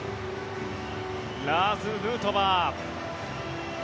ラーズ・ヌートバー。